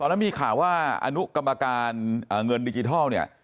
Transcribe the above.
แอ้ข้ารุกรรมาการเงินดิจิทัลเนี้ย